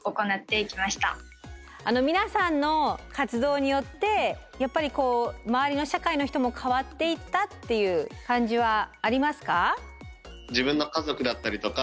皆さんの活動によってやっぱり周りの社会の人も変わっていったっていう感じはありますか？